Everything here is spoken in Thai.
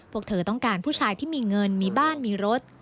พวกเธอต้องการผู้ชายที่มีเงินมีบ้านมีรถ